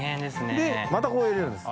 またこう入れるんです。